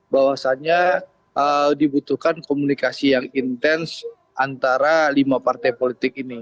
bahwasannya dibutuhkan komunikasi yang intens antara lima partai politik ini